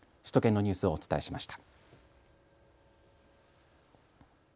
首都圏のニュースをお伝えしました。